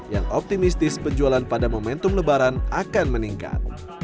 yang optimistis penjualan pada momentum lebaran akan meningkat